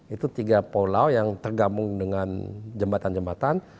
itu tiga pulau yang tergabung dengan jembatan jembatan